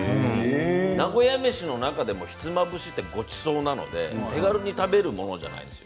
名古屋めしの中でもひつまぶしってごちそうなので手軽に食べるものじゃないですよ。